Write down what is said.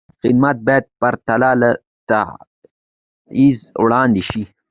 خدمت باید پرته له تبعیض وړاندې شي.